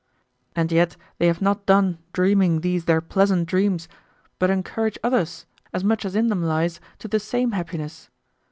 And yet they have not done dreaming these their pleasant dreams but encourage others, as much as in them lies, to the same happiness.